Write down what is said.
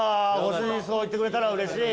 そう言ってくれたらうれしい。